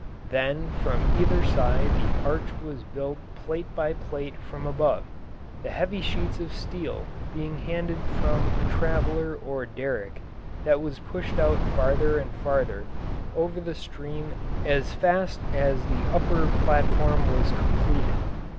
Then from either side the arch was built plate by plate from above, the heavy sheets of steel being handled from a traveller or derrick that was pushed out farther and farther over the stream as fast as the upper platform was completed.